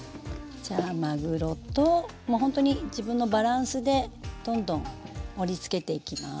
じゃあまぐろともうほんとに自分のバランスでどんどん盛りつけていきます。